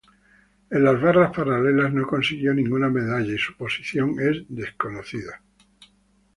En las barras paralelas no consiguió ninguna medalla y su posición es desconocido.